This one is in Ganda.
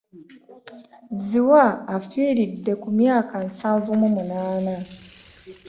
Zziwa afiiridde ku myaka nsanvu munaana